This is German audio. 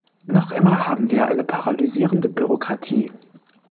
Noch immer haben wir eine paralysierende Bürokratie.